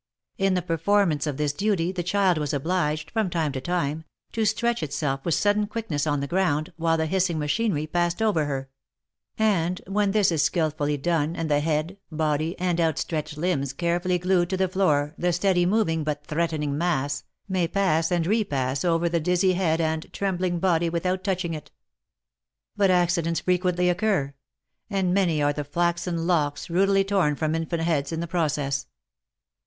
In the performance of this duty, the child was obliged, from time to time, to stretch itself with sudden quickness on the ground, while the hissing machinery passed over her ; and when this is skilfully done, and the head, body, and outstretched limbs carefully glued to the floor, the steady moving, but threatening mass, may pass and repass over the dizzy head and^ trembling body without touching it. OF MICHAEL ARMSTRONG. 81 But accidents frequently occur ; and many are the flaxen locks, rudely torn from infant heads, in the process.